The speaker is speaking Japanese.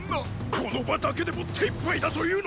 この場だけでも手いっぱいだというのにっ！